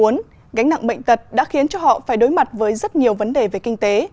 ngành nặng bệnh tật đã khiến cho họ phải đối mặt với rất nhiều vấn đề về kinh tế